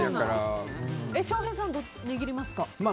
翔平さん、値切りますか？